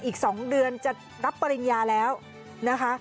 อีก๒เดือนจะรับปริญญาแล้วนะคะ